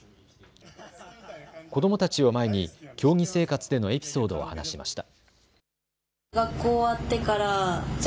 子どもたちを前に競技生活でのエピソードを話しました。